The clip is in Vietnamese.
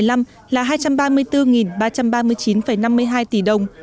doanh thu bán điện năm hai nghìn một mươi năm là hai trăm ba mươi bốn ba trăm ba mươi chín năm mươi hai tỷ đồng